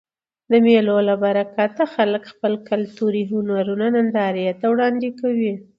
د مېلو له برکته خلک خپل کلتوري هنرونه نندارې ته وړاندي کوي.